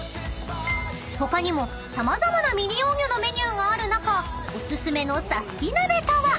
［他にも様々な未利用魚のメニューがある中お薦めのサスティ鍋とは？］